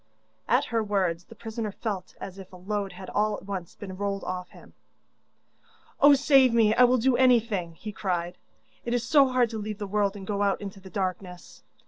At her words the prisoner felt as if a load had all at once been rolled off him. 'Oh, save me, and I will do anything!' he cried. 'It is so hard to leave the world and go out into the darkness.